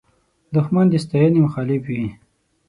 دښمن د ستاینې مخالف وي